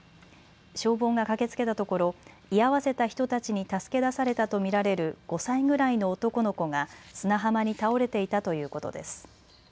消防が駆けつけたところ居合わせた人たちに助け出されたと見られる５歳ぐらいの男の子が砂浜に倒れていたということです。